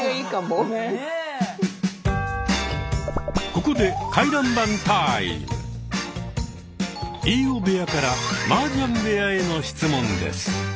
ここで飯尾部屋からマージャン部屋への質問です。